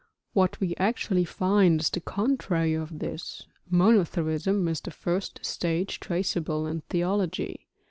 What we actually find is the contrary of this, monotheism is the first stage traceable in theology.